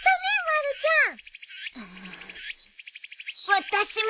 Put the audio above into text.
私も！